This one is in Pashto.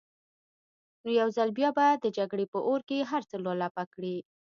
نو يو ځل بيا به د جګړې په اور کې هر څه لولپه کړي.